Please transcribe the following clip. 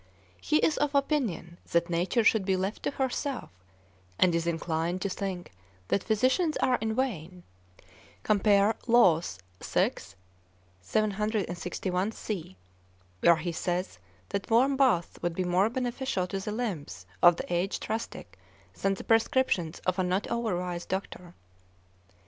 He is of opinion that nature should be left to herself, and is inclined to think that physicians are in vain (Laws—where he says that warm baths would be more beneficial to the limbs of the aged rustic than the prescriptions of a not over wise doctor).